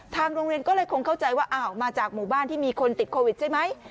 โรงเรียนก็เลยคงเข้าใจว่าอ้าวมาจากหมู่บ้านที่มีคนติดโควิดใช่ไหม